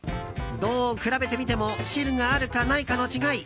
どう比べてみても汁があるか、ないかの違い。